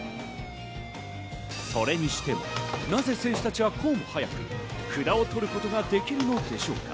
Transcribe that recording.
それにしても、なぜ選手たちはこうも早く札を取ることができるのでしょうか？